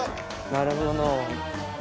なるほど。